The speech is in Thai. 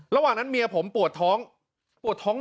ระหว่างนั้นเมียผมปวดท้อง